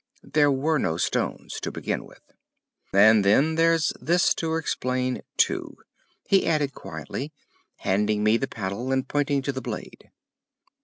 There were no stones, to begin with. "And then there's this to explain too," he added quietly, handing me the paddle and pointing to the blade.